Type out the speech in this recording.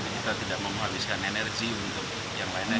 kita tidak menghabiskan energi untuk yang lainnya